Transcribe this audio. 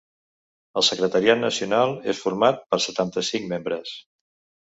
El secretariat nacional és format per setanta-cinc membres.